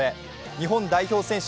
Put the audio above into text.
日本代表選手